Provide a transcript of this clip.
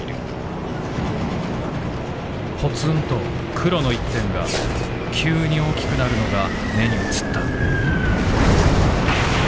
ポツンと黒の一点が急に大きくなるのが眼に映った」。